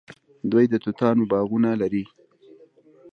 دوی د توتانو باغونه لري.